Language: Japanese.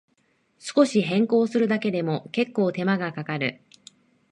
少し変更するだけでも、けっこう手間がかかる